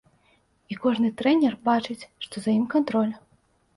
І кожны трэнер бачыць, што за ім кантроль.